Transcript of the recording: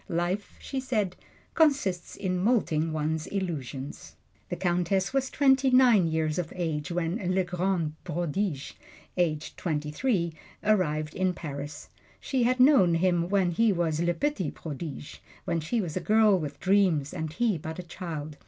"Life," she said, "consists in molting one's illusions." The Countess was twenty nine years of age when "Le Grand Prodige," aged twenty three, arrived in Paris. She had known him when he was "Le Petit Prodige" when she was a girl with dreams and he but a child.